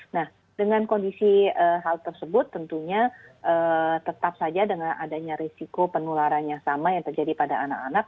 nah dengan kondisi hal tersebut tentunya tetap saja dengan adanya risiko penularan yang sama yang terjadi pada anak anak